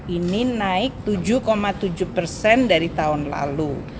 ini naik tujuh tujuh persen dari tahun lalu